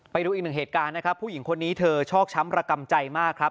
ไปดูอีกหนึ่งเหตุการณ์นะครับผู้หญิงคนนี้เธอชอกช้ำระกำใจมากครับ